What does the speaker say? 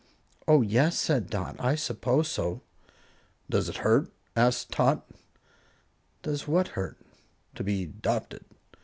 "Oh, yes," said Dot. "I suppose so." "Does it hurt?" asked Tot. "Does what hurt?" "To be 'dopted."